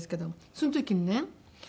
その時にね